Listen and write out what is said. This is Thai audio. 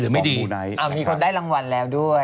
มีคนได้รางวัลแล้วด้วย